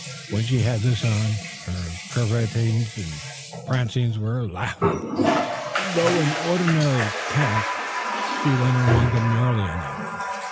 When she had this on, her curvetings and prancings were laughable, though in ordinary tackle she went along demurely enough.